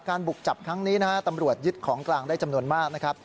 การบุกจับครั้งนี้ตำรวจยึดของกลางได้จำนวนมาก